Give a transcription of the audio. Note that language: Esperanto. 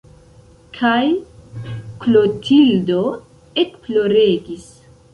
Kaj Klotildo ekploregis.